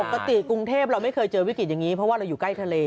กรุงเทพเราไม่เคยเจอวิกฤตอย่างนี้เพราะว่าเราอยู่ใกล้ทะเล